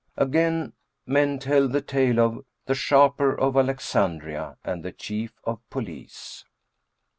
Again men tell the tale of THE SHARPER OF ALEXANDRIA AND THE CHIEF OF POLICE.